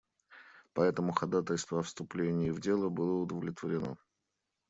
Поэтому ходатайство о вступлении в дело было удовлетворено.